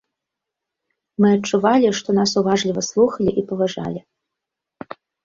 Мы адчувалі, што нас уважліва слухалі і паважалі.